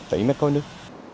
một tỷ m ba nước